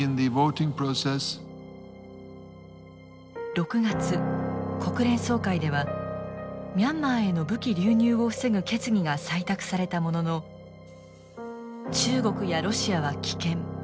６月国連総会ではミャンマーへの武器流入を防ぐ決議が採択されたものの中国やロシアは棄権。